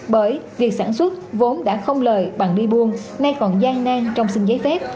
bởi việc sản xuất vốn đã không lời bằng đi buông nay còn gian nan trong xin giấy phép